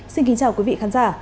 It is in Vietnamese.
xin kính chào quý vị khán giả